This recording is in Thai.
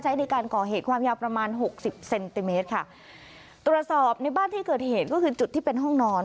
ในการก่อเหตุความยาวประมาณหกสิบเซนติเมตรค่ะตรวจสอบในบ้านที่เกิดเหตุก็คือจุดที่เป็นห้องนอน